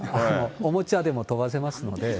おもちゃでも飛ばせますので。